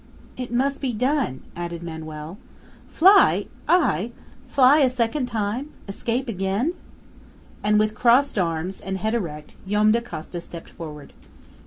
"It must be done!" added Manoel. "Fly! I! Fly a second time! Escape again?" And with crossed arms, and head erect, Joam Dacosta stepped forward.